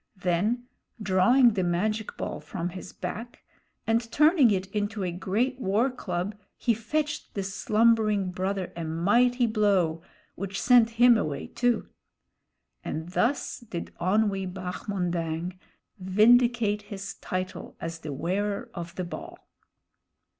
Then drawing the magic ball from his back, and turning it into a great war club, he fetched the slumbering brother a mighty blow, which sent him away too. And thus did Onwee Bahmondang vindicate his title as The Wearer of the Ball.